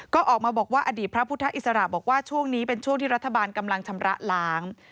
ก็ออกมาบอกว่าอดีตพระพุทธอิสระบอกว่าช่วงนี้เป็นช่วงที่รัฐบาลกำลังชำระล้าง